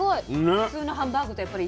普通のハンバーグとやっぱり。